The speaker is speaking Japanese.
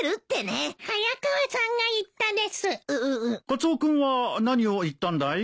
カツオ君は何を言ったんだい？